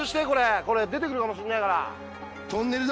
これ、出てくるかもしれないから。